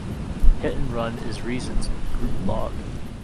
Hit and Run is "Reason"'s group blog.